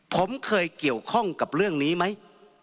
ผมเคยเกี่ยวข้องกับเรื่องนี้ไหม